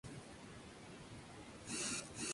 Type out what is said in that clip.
Cada sesión es económicamente independiente.